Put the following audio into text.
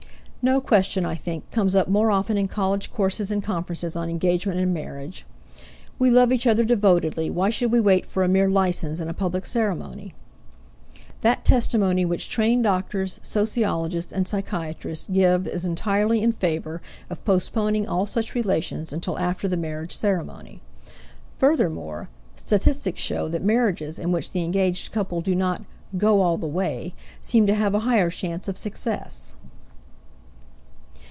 No question, I think, comes up more often in college courses and conferences on engagement and marriage. "We love each other devotedly; why should we wait for a mere license and a public ceremony?" That testimony which trained doctors, sociologists, and psychiatrists give is entirely in favor of postponing all such relations until after the marriage ceremony. Furthermore, statistics show that marriages in which the engaged couple do not "go all the way" seem to have a higher chance of success.